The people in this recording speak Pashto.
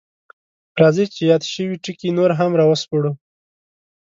راځئ چې یاد شوي ټکي نور هم راوسپړو: